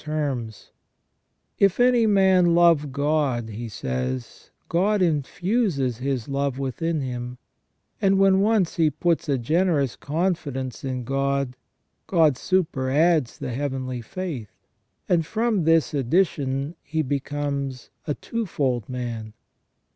49 terms :" If any man love God," he says, " God infuses His love within him; and when once he puts a generous confidence in God, God superadds the heavenly faith, and from this addition he becomes a twofold man.